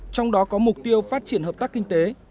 trong đó có mục tiêu phát triển hợp tác kinh tế